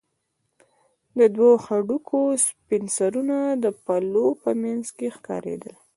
د دوو هډوکو سپين سرونه د پلو په منځ کښې ښکارېدل.